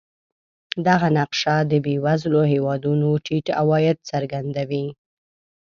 دغه نقشه د بېوزلو هېوادونو ټیټ عواید څرګندوي.